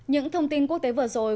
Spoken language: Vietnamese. những thông tin quốc tế vừa rồi